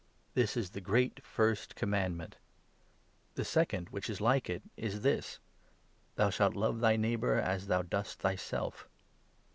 This is the great first commandment. The second, which 38, is like it, is this —' Thou shalt love thy neighbour as thou dost thyself.'